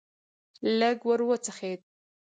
لږ ور وڅخېد.